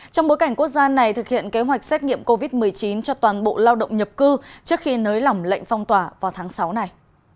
trong bối cảnh quốc gia này thực hiện kế hoạch xét nghiệm covid một mươi chín cho toàn bộ lao động nhập cư trước khi nới lỏng lệnh phong tỏa vào tháng sáu này